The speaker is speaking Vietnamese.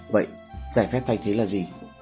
vậy giải phép thay thế là gì